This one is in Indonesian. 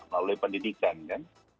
melalui pendidikan kan